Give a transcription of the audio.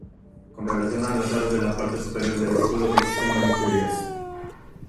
Con relación a los aros de la parte superior del escudo existen varias teorías.